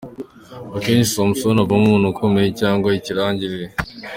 Akenshi Samson avamo umuntu ukomeye cg ikirangirire.